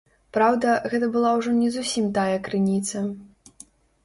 Праўда, гэта была ўжо не зусім тая крыніца.